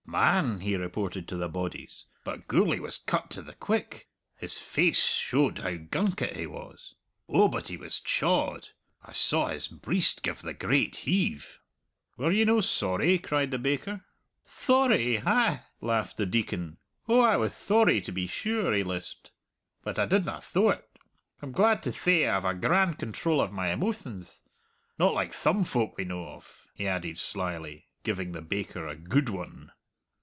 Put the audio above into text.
"Man!" he reported to the bodies, "but Gourlay was cut to the quick. His face showed how gunkit he was. Oh, but he was chawed. I saw his breist give the great heave." "Were ye no sorry?" cried the baker. "Thorry, hi!" laughed the Deacon. "Oh, I was thorry, to be sure," he lisped, "but I didna thyow't. I'm glad to thay I've a grand control of my emotionth. Not like thum folk we know of," he added slyly, giving the baker a "good one."